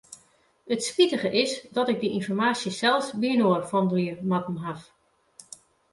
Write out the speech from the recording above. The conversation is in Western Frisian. It spitige is dat ik dy ynformaasje sels byinoar fandelje moatten haw.